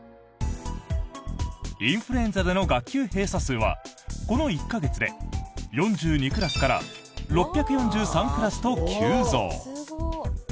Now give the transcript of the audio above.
インフルエンザでの学級閉鎖数はこの１か月で４２クラスから６４３クラスと急増。